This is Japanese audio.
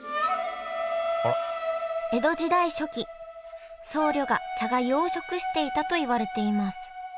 江戸時代初期僧侶が茶がゆを食していたといわれています